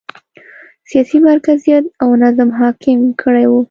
سیاسي مرکزیت او نظم حاکم کړی و.